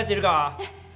えっ？